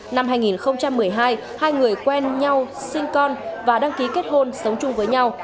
năm hai nghìn một mươi hai hai người quen nhau sinh con và đăng ký kết hôn sống chung với nhau